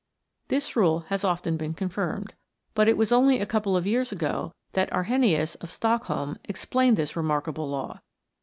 This rule has often been confirmed. But it was only a couple of years ago that Arrhenius, of Stockholm, explained this remarkable law.